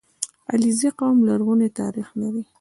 • علیزي قوم لرغونی تاریخ لري.